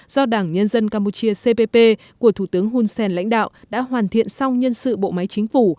do đảng nhân dân campuchia cpp của thủ tướng hun sen lãnh đạo đã hoàn thiện xong nhân sự bộ máy chính phủ